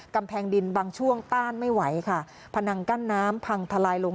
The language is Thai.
กำแพงดินบางช่วงต้านไม่ไหวค่ะพนังกั้นน้ำพังทลายลง